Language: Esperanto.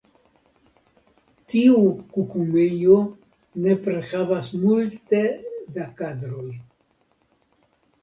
Tiu kukumejo nepre havas multe da kadroj.